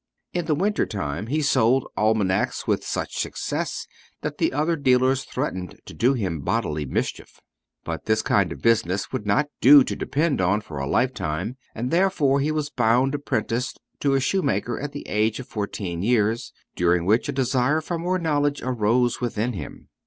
In the winter time he sold almanacs with such success that the other dealers threatened to do him bodily mischief. But this kind of business would not do to depend on for a lifetime, and therefore he was bound apprentice to a shoemaker at the age of fourteen years, during which a desire for more knowledge arose within him.